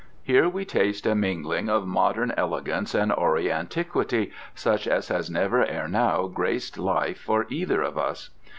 Here we taste a mingling of modern elegance and hoary antiquity, such as has never ere now graced life for either of us.